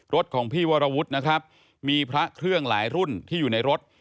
ของพี่วรวุฒินะครับมีพระเครื่องหลายรุ่นที่อยู่ในรถ